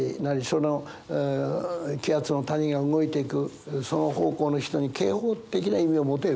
その気圧の谷が動いていくその方向の人に警報的な意味を持てる。